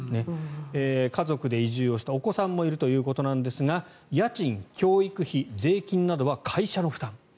家族で移住をしてお子さんもいるということですが家賃、教育費、税金などは会社の負担。